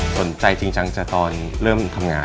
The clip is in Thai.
สนใจจริงจังจากตอนเริ่มทำงาน